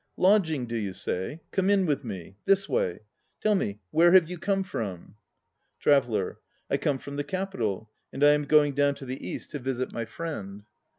Lodging, do you say? Come in with me. This way. Tell me, where have you come from? TRAVELLER. I come from the Capital, and I am going down to the East to visit my friend.